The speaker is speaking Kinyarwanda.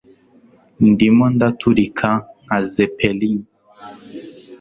Ndimo ndaturika nka zeppelin